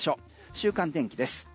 週間天気です。